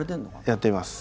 やっています。